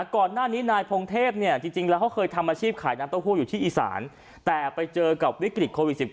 ก่อนหน้านี้นายพงเทพเนี่ยจริงแล้วเขาเคยทำอาชีพขายน้ำเต้าหู้อยู่ที่อีสานแต่ไปเจอกับวิกฤตโควิด๑๙